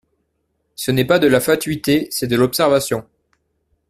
Ce n’est pas de la fatuité, c’est de l’observation.